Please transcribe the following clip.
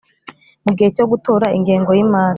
Mu gihe cyo gutora ingengo y imari